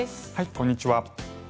こんにちは。